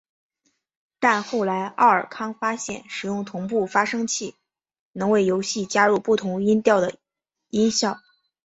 但后来奥尔康发现使用同步发生器能为游戏加入不同音调的音效。